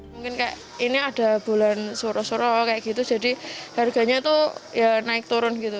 mungkin kayak ini ada bulan suruh suruh kayak gitu jadi harganya tuh ya naik turun gitu